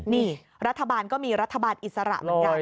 นี่รัฐบาลก็มีรัฐบาลอิสระ